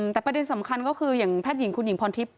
แต่ประเด็นสำคัญก็คืออย่างแพทย์หญิงคุณหญิงพรทิพย